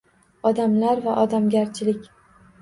Odamlar va odamgarchilik